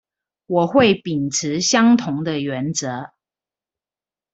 我會秉持相同的原則